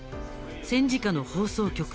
戦時下の放送局